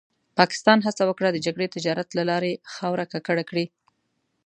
پاکستان هڅه وکړه د جګړې تجارت له لارې خاوره ککړه کړي.